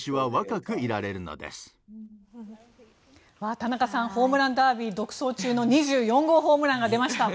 田中さんホームランダービー独走中の２４号ホームランが出ました。